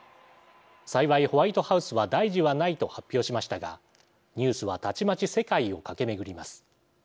幸いホワイトハウスは大事はないと発表しましたがニュースはたちまち世界を駆け巡ります。